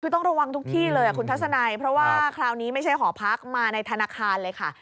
คือต้องระวังทุกที่เลยคุณทัศนัยเพราะว่าคราวนี้ไม่ใช่หอพักมาในธนาคารเลยค่ะ